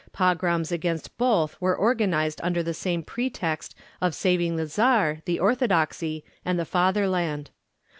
Pogroms against both were organised under the same pretext of saving the Tsar, the orthodoxy, and the Fatherland.